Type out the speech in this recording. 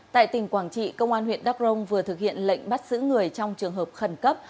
tại tỉnh quảng trị công an huyện đắk rông vừa thực hiện lệnh bắt giữ người trong trường hợp khẩn cấp